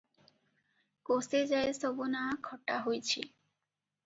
କୋଶେଯାଏ ସବୁ ନାଆ ଖଟା ହୋଇଛି ।